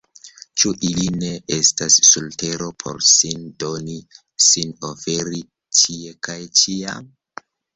Ĉu ili ne estas sur tero por sin doni, sin oferi, ĉie kaj ĉiam?